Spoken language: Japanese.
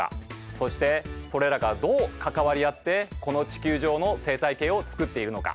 そしてそれらがどう関わり合ってこの地球上の生態系を作っているのか。